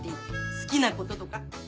好きなこととか。